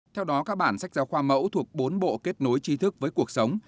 theo đó các bản sách giáo khoa mẫu thuộc bốn bộ kết nối trí thức với cuộc sống